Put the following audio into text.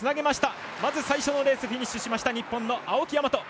まず最初のレースフィニッシュしました日本の青木大和。